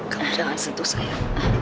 kamu jangan sentuh saya